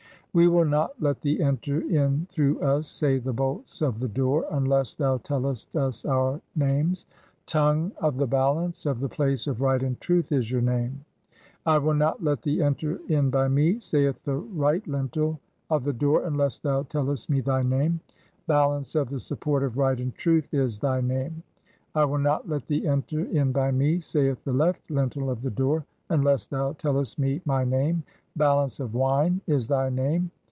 " '"We will not let thee enter in through us', say the bolts of "(28) the door, 'unless thou tellest [us] our names' ; 'Tongue "[of the Balance] of the place of right and truth' is your name. " 'I will not let thee enter in by me,' saith the [right] lintel "(29) of the door, 'unless thou tellest [me] my name' ; 'Ba lance of the support of right and truth' is thy name. 'I will "not let thee enter in by me,' saith the [left] lintel of the door, "(3o) 'unless thou tellest [me] my name' ; ['Balance of] wine' is "thy name.